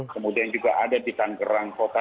kemudian juga ada di tanggerang kota